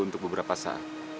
untuk beberapa saat